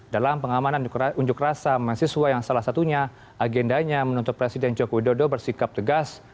dalam pengamanan unjuk rasa mahasiswa yang salah satunya agendanya menuntut presiden joko widodo bersikap tegas